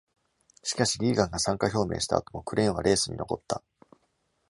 しかし、リーガンが参加表明した後もクレーンはレースに残った。